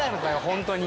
ホントに。